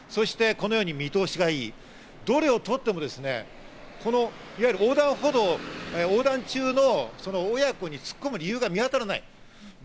そしてこのように見通しが良い、どれをとっても横断歩道を横断中の親子に突っ込む理由は見当たらない。